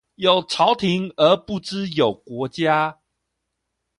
有朝廷而不知有國家